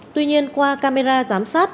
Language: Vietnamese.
tuy nhiên qua camera giám sát